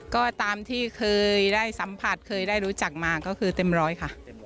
ก็ตามที่เคยได้สัมผัสเคยได้รู้จักมาก็คือเต็มร้อยค่ะ